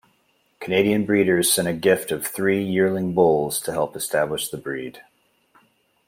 Canadian breeders sent a gift of three yearling bulls to help establish the breed.